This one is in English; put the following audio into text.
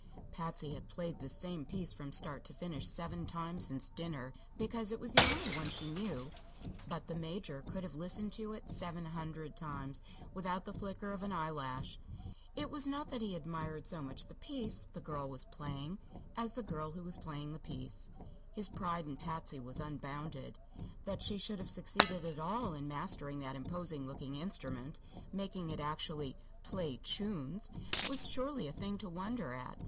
Patsy had played this same piece from start to finish seven times since dinner, because it was the only one she knew; but the Major could have listened to it seven hundred times without the flicker of an eyelash. It was not that he admired so much the "piece" the girl was playing as the girl who was playing the "piece." His pride in Patsy was unbounded. That she should have succeeded at all in mastering that imposing looking instrument making it actually "play chunes" was surely a thing to wonder at.